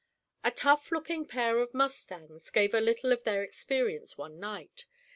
A tough looking pair of mustangs gave a little of their experience one night.